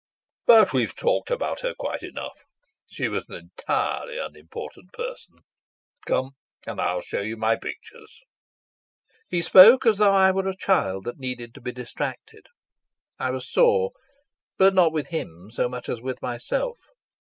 But we've talked about her quite enough; she was an entirely unimportant person. Come, and I'll show you my pictures." He spoke as though I were a child that needed to be distracted. I was sore, but not with him so much as with myself.